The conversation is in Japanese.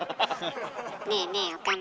ねえねえ岡村。